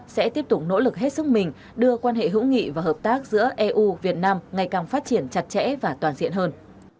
sẽ tiếp tục nỗ lực hết sức mình đưa quan hệ hữu nghị và hợp tác giữa eu việt nam ngày càng phát triển chặt chẽ và toàn diện hơn